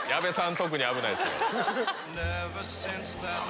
特に危ないですよ。